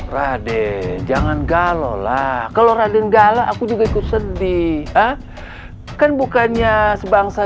raden jangan galau lah kalau raden gala aku juga ikut sedih kan bukannya sebangsa